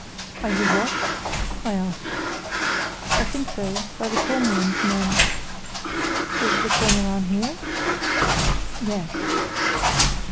"Are you watched?" I asked. "I think so; by the Kormoran's men." "Is the Kormoran here?" "Yes."